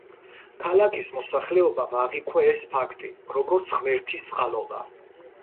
ქალაქის მოსახლეობამ აღიქვა ეს ფაქტი, როგორც ღმერთის წყალობა.